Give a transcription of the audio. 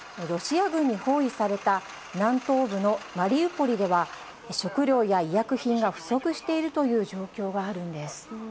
ロシア軍に包囲された南東部のマリウポリでは、食料や医薬品が不足しているという状況があるんです。